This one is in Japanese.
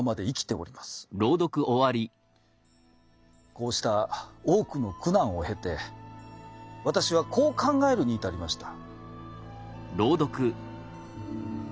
こうした多くの苦難を経て私はこう考えるに至りました。